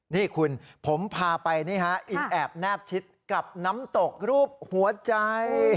นี่คุณผมพาไปนี่ฮะอีแอบแนบชิดกับน้ำตกรูปหัวใจ